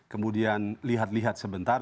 kemudian lihat lihat sebentar